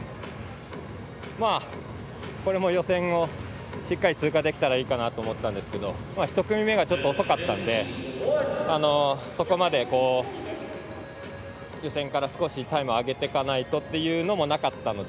これも予選をしっかり通過できたらいいかなと思ってたんですけど１組目がちょっと遅かったのでそこまで、予選から少しタイムを上げていかないとというのもなかったので。